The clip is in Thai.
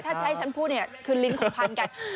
ถ้าใช้ฉันพูดเนี่ยคือลินท์ของพัน